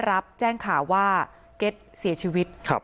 พระเจ้าอาวาสกันหน่อยนะครับ